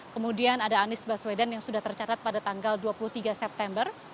kemudian ada anies baswedan yang sudah tercatat pada tanggal dua puluh tiga september